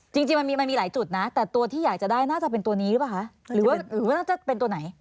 จริงมันมีมันมีหลายจุดนะแต่ตัวที่อยากจะได้น่าจะเป็นตัวนี้หรือเปล่าคะหรือว่าน่าจะเป็นตัวไหน